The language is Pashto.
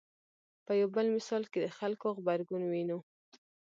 په یو بل مثال کې د خلکو غبرګون وینو.